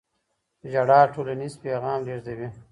ژړا ټولنیز پیغام لېږدوي.